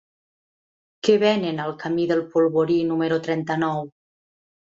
Què venen al camí del Polvorí número trenta-nou?